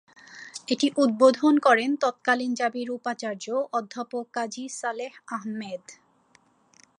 এটি উদ্বোধন করেন তৎকালীন জাবির উপাচার্য অধ্যাপক কাজী সালেহ আহম্মেদ।